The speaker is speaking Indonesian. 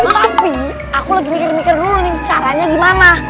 tapi aku lagi mikir mikir dulu nih caranya gimana